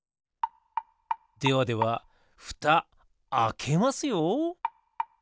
ではではふたあけますよ。